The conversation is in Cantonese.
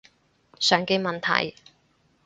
常見問題